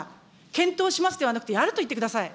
検討しますではなくて、やると言ってください。